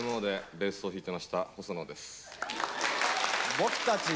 僕たち。